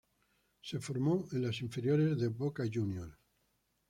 Se formó en las inferiores de Boca Juniors.